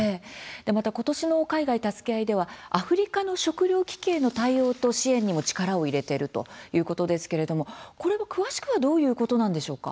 また今年の「海外たすけあい」ではアフリカの食料危機への対応と支援にも力を入れてるということですけれどもこれは詳しくはどういうことなんでしょうか。